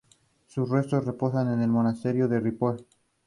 Sus restos reposan en el Monasterio de Ripoll.